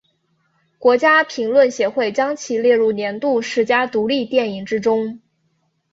国家评论协会将其列入年度十佳独立电影之中。